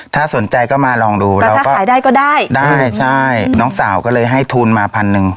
ถ้าสนใจก็มาลองดูเราก็ขายได้ก็ได้ใช่น้องสาวก็เลยให้ทุนมาพันหนึ่ง